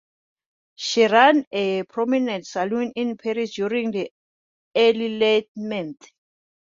She ran a prominent salon in Paris during the Enlightenment.